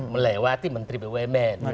melewati menteri bumn